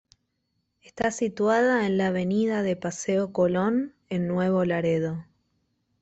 Está situada en la avenida de Paseo Colón en Nuevo Laredo.